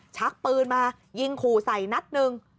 ชักปืนมายิงขู่ใส่นัดหนึ่ง